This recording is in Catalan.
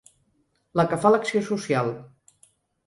La que fa l’acció social.